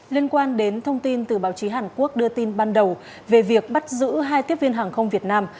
liên quan đến thông tin từ báo chí hàn quốc đưa tin ban đầu về việc bắt giữ hai tiếp viên hàng không việt nam